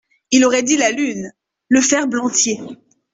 Il aurait dit la lune … le ferblantier !